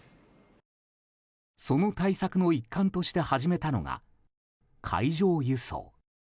その対策の一環として始めたのが海上輸送。